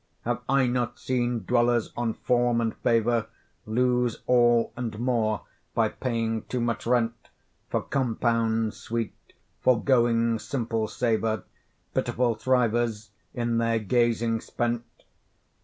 Have I not seen dwellers on form and favour Lose all and more by paying too much rent For compound sweet; forgoing simple savour, Pitiful thrivers, in their gazing spent?